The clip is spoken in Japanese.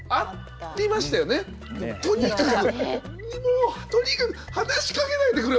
「とにかく何にもとにかく話しかけないでくれ！